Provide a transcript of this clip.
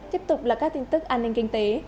tiếp tục là các tin tức an ninh kinh tế